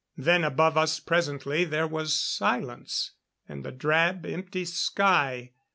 Then above us presently there was silence and the drab empty sky.